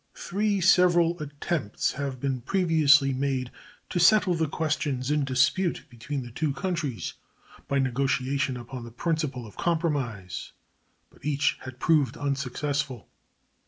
Three several attempts had been previously made to settle the questions in dispute between the two countries by negotiation upon the principle of compromise, but each had proved unsuccessful.